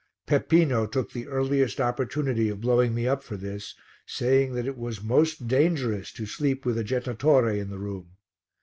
Peppino took the earliest opportunity of blowing me up for this, saying that it was most dangerous to sleep with a jettatore in the room.